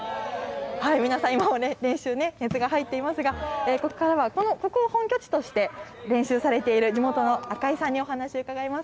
皆さん、今もね、練習ね、熱が入っていますが、ここからはここを本拠地として練習されている地元の赤井さんにお話伺います。